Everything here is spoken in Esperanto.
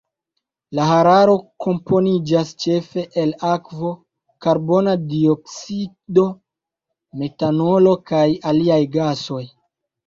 La hararo komponiĝas ĉefe el akvo, karbona dioksido metanolo kaj aliaj gasoj.